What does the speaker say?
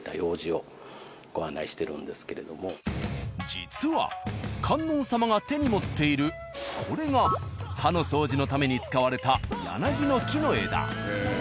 実は観音様が手に持っているこれが歯の掃除のために使われたヤナギの木の枝。